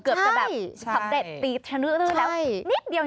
เกือบจะแบบทับเต็ปตีตแล้วนิดเดียวอย่างนี้